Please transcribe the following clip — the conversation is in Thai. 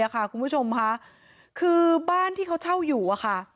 คืบเลยอ่ะค่ะคุณผู้ชมค่ะคือบ้านที่เขาเช่าอยู่อ่ะค่ะ